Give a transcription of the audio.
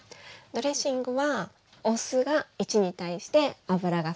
ドレッシングはお酢が１に対して油が３。